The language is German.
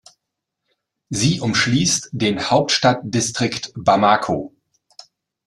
Sie umschließt den Hauptstadtdistrikt Bamako.